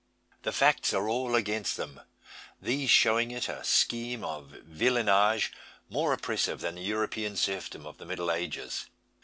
The facts are all against them; these showing it a scheme of villeinage, more oppressive than the European serfdom of the Middle Ages.